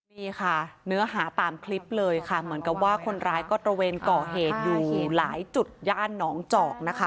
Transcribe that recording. นี่ค่ะเนื้อหาตามคลิปเลยค่ะเหมือนกับว่าคนร้ายก็ตระเวนก่อเหตุอยู่หลายจุดย่านหนองจอกนะคะ